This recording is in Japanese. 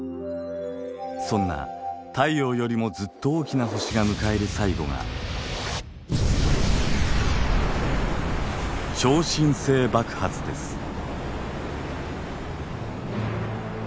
そんな太陽よりもずっと大きな星が迎える最後が超新星爆発です。